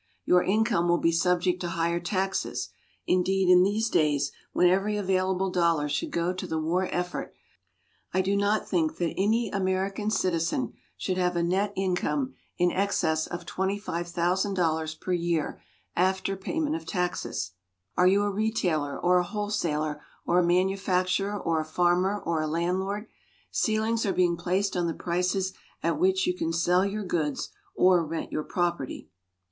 Your income will be subject to higher taxes. Indeed in these days, when every available dollar should go to the war effort, I do not think that any American citizen should have a net income in excess of $25,000 per year after payment of taxes. Are you a retailer or a wholesaler or a manufacturer or a farmer or a landlord? Ceilings are being placed on the prices at which you can sell your goods or rent your property.